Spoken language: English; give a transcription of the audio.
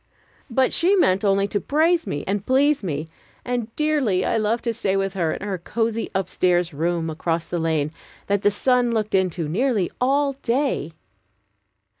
But she meant only to praise me and please me; and dearly I loved to stay with her in her cozy up stairs room across the lane, that the sun looked into nearly all day.